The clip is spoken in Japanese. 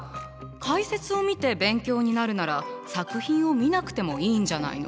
解説を見て勉強になるなら作品を見なくてもいいんじゃないの？